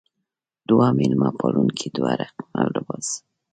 دوه مېلمه پالونکې دوه رقمه لباس.